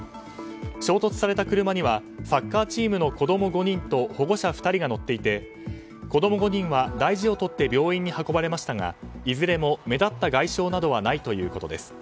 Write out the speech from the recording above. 衝突された車にはサッカーチームの子供５人と保護者２人が乗っていて子供５人は大事を取って病院に運ばれましたがいずれも目立った外傷などはないということです。